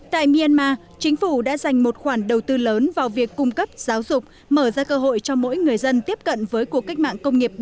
tại myanmar chính phủ đã dành một khoản đầu tư lớn vào việc cung cấp giáo dục mở ra cơ hội cho mỗi người dân tiếp cận với cuộc cách mạng công nghiệp bốn